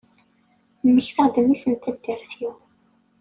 Mmektaɣ-d mmi-s n taddart-iw.